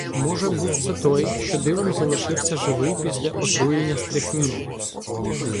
Може, був це той, що дивом залишився живий після отруєння стрихніном.